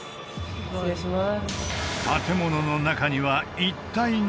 失礼します